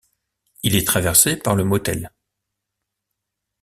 Il est traversé par le Motel.